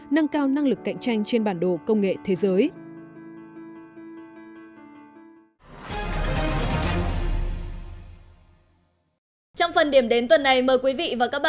nâng cao năng lực cạnh tranh trên bản đồ công nghệ thế giới